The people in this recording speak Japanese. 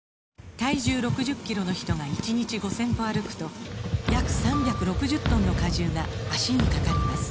体重６０キロの人が１日５０００歩歩くと約３６０トンの荷重が脚にかかります